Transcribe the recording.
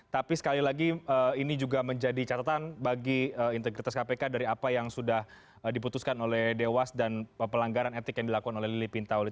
tapi sekali lagi ini juga menjadi catatan bagi integritas kpk dari apa yang sudah diputuskan oleh dewas dan pelanggaran etik yang dilakukan oleh lili pintauli